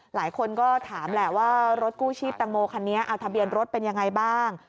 หลายคนก็ถามแหละว่ารถกู้ชีพตังโมคันนี้เอาทะเบียนรถเป็นยังไงบ้าง